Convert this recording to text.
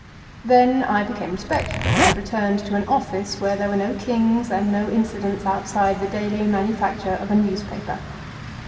Then I became respectable, and returned to an Office where there were no Kings and no incidents except the daily manufacture of a newspaper.